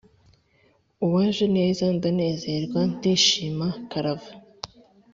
Uwajeneza ndanezerwa ndishima karava